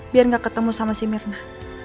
biar gak ketemu sama si mirna